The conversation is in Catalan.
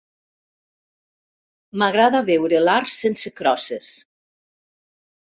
M'agrada veure l'art sense crosses.